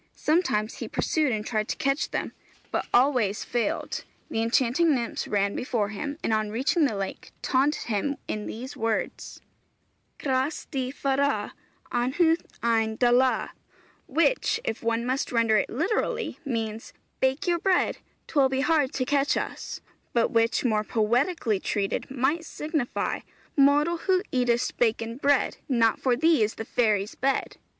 Sometimes he pursued and tried to catch them, but always failed; the enchanting nymphs ran before him and on reaching the lake taunted him in these words: Cras dy fara, Anhawdd ein dala; which, if one must render it literally, means: Bake your bread, 'Twill be hard to catch us; but which, more poetically treated, might signify: Mortal, who eatest baken bread, Not for thee is the fairy's bed!